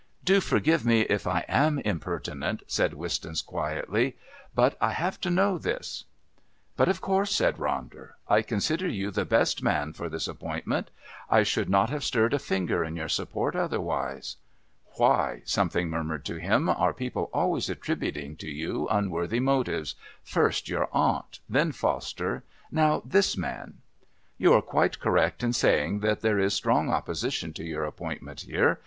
"Do forgive me if I am impertinent," said Wistons quietly, "but I have to know this." "But of course," said Ronder, "I consider you the best man for this appointment. I should not have stirred a finger in your support otherwise." (Why, something murmured to him, are people always attributing to you unworthy motives, first your aunt, then Foster, now this man?) "You are quite correct in saying that there is strong opposition to your appointment here.